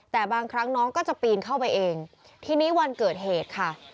แต่บางครั้งน้องก็จะปีนเข้าไปเองทีนี้วันเกิดเหตุค่ะ